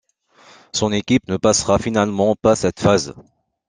Son équipe ne passera finalement pas cette phase.